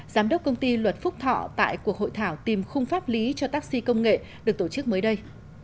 giám đốc công ty luật phúc thọ tại cuộc hội thảo tìm khung pháp lý cho taxi công nghệ được tổ chức mới đây